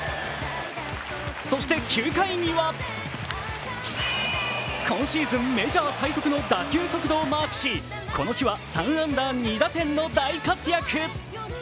そして９回には今シーズンメジャー最速の打球速度をマークしこの日は３安打２打点の大活躍。